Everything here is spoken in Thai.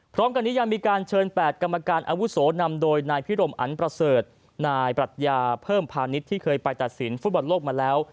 พร้อมกันนี้ยังมีการเชิญ๘กรรมการอาวุโสนำโดยนายพิรมอันประเสริฐนายปรัชญาเพิ่มพาณิชย์ที่เคยไปตัดสินฟุตบอลโลกมาแล้ว